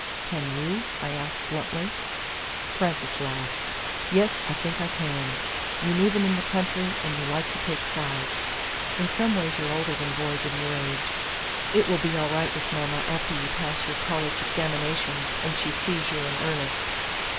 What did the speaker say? "Can you?" I asked bluntly. Frances laughed. "Yes, I think I can. You knew them in the country, and you like to take sides. In some ways you're older than boys of your age. It will be all right with mama after you pass your college examinations and she sees you're in earnest."